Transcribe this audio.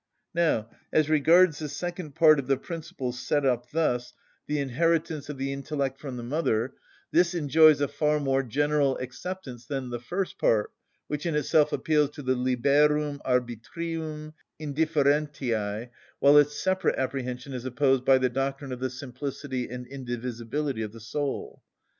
Now, as regards the second part of the principle set up thus the inheritance of the intellect from the mother, this enjoys a far more general acceptance than the first part, which in itself appeals to the liberum arbitrium indifferentiæ, while its separate apprehension is opposed by the doctrine of the simplicity and indivisibility of the soul.